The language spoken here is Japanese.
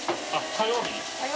火曜日。